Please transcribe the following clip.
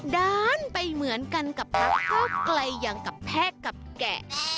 ด้านไปเหมือนกันกับพักเก้าไกลอย่างกับแทกกับแกะ